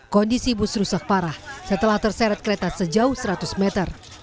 kondisi bus rusak parah setelah terseret kereta sejauh seratus meter